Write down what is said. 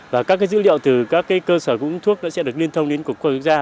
và các dữ liệu từ các cơ sở cung ứng thuốc sẽ được liên thông đến quốc gia